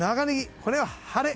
これは、晴れ。